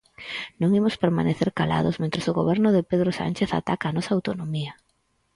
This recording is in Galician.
Non imos permanecer calados mentres o goberno de Pedro Sánchez ataca a nosa autonomía.